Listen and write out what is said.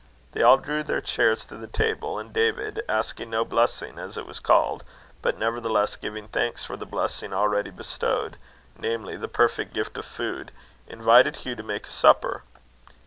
They all drew their chairs to the table, and David, asking no blessing, as it was called, but nevertheless giving thanks for the blessing already bestowed, namely, the perfect gift of food, invited Hugh to make a supper.